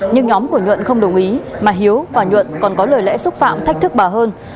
nhưng nhóm của nhuận không đồng ý mà hiếu và nhuận còn có lời lẽ xúc phạm thách thức bà hơn